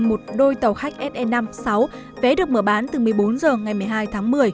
một đôi tàu khách se năm sáu vé được mở bán từ một mươi bốn h ngày một mươi hai tháng một mươi